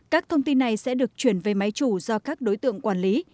các thông tin này sẽ được chuyển về máy chủ do các đối tượng quản lý